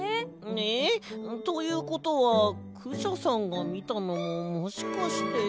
ええ！ということはクシャさんがみたのももしかして。